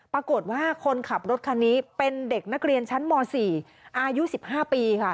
ปรากฏว่าคนขับรถคันนี้เป็นเด็กนักเรียนชั้นม๔อายุ๑๕ปีค่ะ